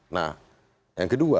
nah yang kedua